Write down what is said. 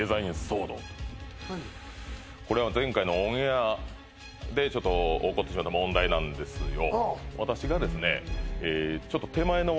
これは前回のオンエアでちょっと起こってしまった問題なんですよ